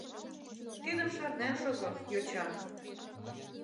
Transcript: — Тидым шарнен шого, йоча!